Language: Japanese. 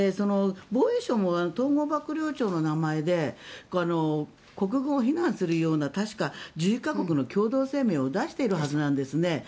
防衛省も統合幕僚長の名前で国軍を非難するような１１か国の共同声明を出しているはずなんですね。